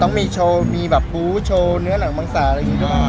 ต้องมีโชว์มีแบบบู๊โชว์เนื้อหนังมังสาอะไรอย่างนี้ด้วย